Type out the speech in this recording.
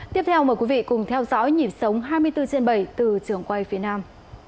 tiếp theo mời quý vị cùng theo dõi nhịp sống hai mươi bốn trên bảy từ trường quay phía nam